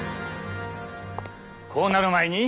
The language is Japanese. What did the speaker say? こうなる前に！